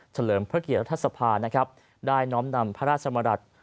เฉลิมเพื่อเกียรติศภาได้น้อมนำพระราชดำรัฐ